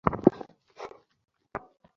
আমি তার সন্তুষ্টি কামনা করতে লাগলাম।